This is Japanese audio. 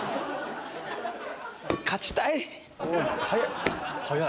勝ちたい！